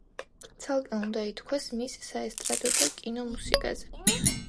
ცალკე უნდა ითქვას მის საესტრადო და კინო მუსიკაზე.